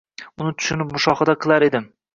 Uni tushunib mushohada qilar edim.